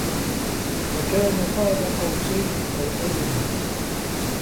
فَكانَ قابَ قَوسَينِ أَو أَدنى